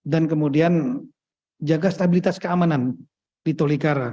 kemudian jaga stabilitas keamanan di tolikara